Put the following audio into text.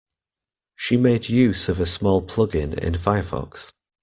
She made use of a small plug-in in Firefox